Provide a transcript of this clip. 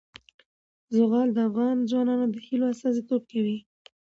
زغال د افغان ځوانانو د هیلو استازیتوب کوي.